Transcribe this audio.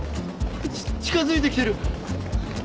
近づいてきてる！